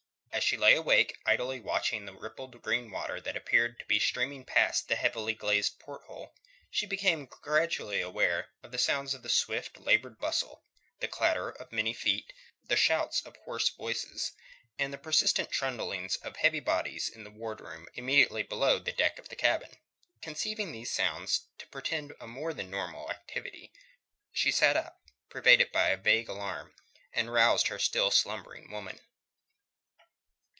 As she lay awake, idly watching the rippled green water that appeared to be streaming past the heavily glazed porthole, she became gradually aware of the sounds of swift, laboured bustle the clatter of many feet, the shouts of hoarse voices, and the persistent trundlings of heavy bodies in the ward room immediately below the deck of the cabin. Conceiving these sounds to portend a more than normal activity, she sat up, pervaded by a vague alarm, and roused her still slumbering woman.